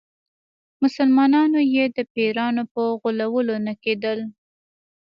مسلمانانو یې د پیرانو په غولولو نه کېدل.